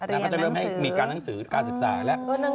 นางก็จะเริ่มให้มีการหนังสือการศึกษาแล้ว